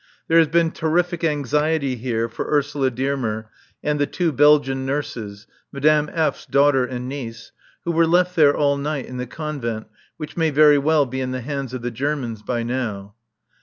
There has been terrific anxiety here for Ursula Dearmer and the two Belgian nurses (Madame F.'s daughter and niece), who were left there all night in the convent, which may very well be in the hands of the Germans by now.